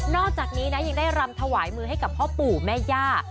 อกจากนี้นะยังได้รำถวายมือให้กับพ่อปู่แม่ย่า